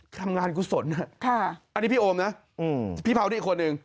ทำงานกุศลอันนี้พี่โอมนะพี่เผานี่อีกคนนึง